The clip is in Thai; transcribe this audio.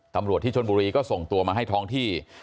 ตำรวจที่ชนบุรีก็ส่งตัวมาให้ท้องที่